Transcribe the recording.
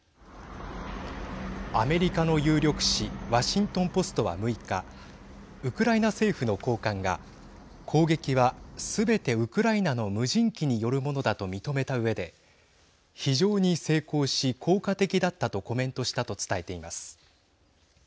アメリカの有力紙ワシントン・ポストは６日ウクライナ政府の高官が攻撃は、すべてウクライナの無人機によるものだと認めたうえで非常に成功し効果的だったとコメントしたと伝えています。